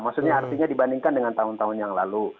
maksudnya artinya dibandingkan dengan tahun tahun yang lalu